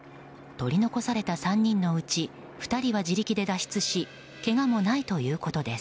取り残された３人のうち２人は自力で脱出しけがもないということです。